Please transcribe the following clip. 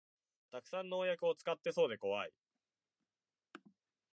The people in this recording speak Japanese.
たくさん農薬使ってそうでこわい